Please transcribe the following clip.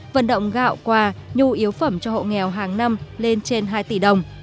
vận động gạo quà nhu yếu phẩm cho hộ nghèo hàng năm lên trên hai tỷ đồng